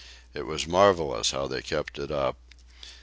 It was marvelous how they kept it up.